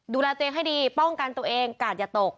ดูแลตัวเองให้ดีป้องกันตัวเองกาดอย่าตก